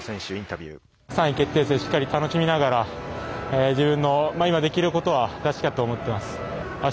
３位決定戦しっかり楽しみながら自分の今できることは出したと思っています。